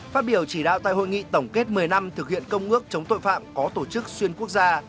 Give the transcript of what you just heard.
phát biểu chỉ đạo tại hội nghị tổng kết một mươi năm thực hiện công ước chống tội phạm có tổ chức xuyên quốc gia